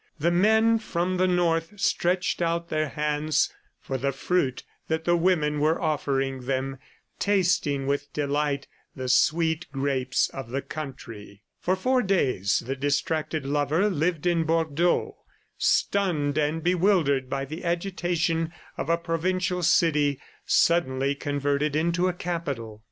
The men from the North stretched out their hands for the fruit that the women were offering them, tasting with delight the sweet grapes of the country. For four days the distracted lover lived in Bordeaux, stunned and bewildered by the agitation of a provincial city suddenly converted into a capital.